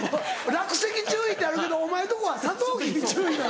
落石注意ってあるけどお前んとこはサトウキビ注意なの？